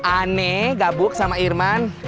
aneh gabuk sama irman